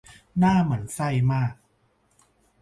น่าหมั่นไส้มาก